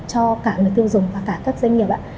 cho cả người tiêu dùng và cả các doanh nghiệp ạ